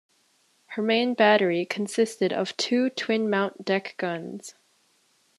Her main battery consisted of two twin-mount deck guns.